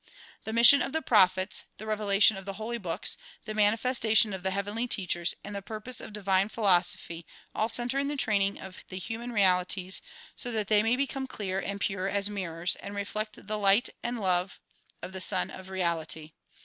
The mission of the prophets, the revelation of the holy books, the manifestation of the heavenly teachers and the purpose of di vine philosophy all center in the training of the human realities so that they may become clear and pure as mirrors and reflect the light and love of the Sun of Reality.